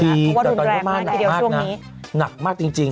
จริงเพราะว่าทุนแกรมมากทีเดียวช่วงนี้นะหนักมากจริง